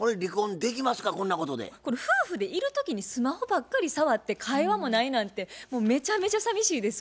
夫婦でいる時にスマホばっかり触って会話もないなんてもうめちゃめちゃさみしいです。